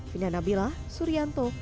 fina nabilah surianto